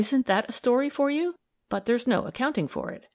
] Isn't that a story for you? But there's no accounting for it.